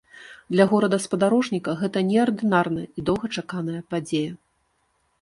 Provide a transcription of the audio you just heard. Для горада-спадарожніка гэта неардынарная і доўгачаканая падзея.